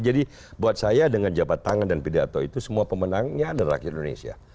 jadi buat saya dengan jabat tangan dan pidato itu semua pemenangnya adalah rakyat indonesia